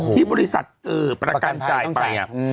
ที่บริษัทประกันจ่ายไปอย่างนี้